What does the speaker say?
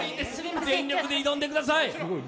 全力で挑んでください。